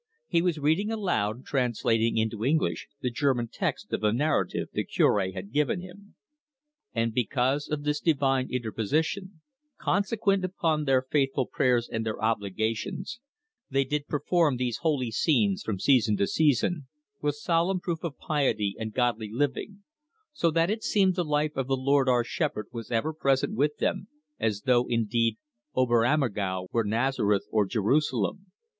He was reading aloud, translating into English the German text of the narrative the Cure had given him: "And because of this divine interposition, consequent upon their faithful prayers and their oblations, they did perform these holy scenes from season to season, with solemn proof of piety and godly living, so that it seemed the life of the Lord our Shepherd was ever present with them, as though, indeed, Ober Ammergau were Nazareth or Jerusalem.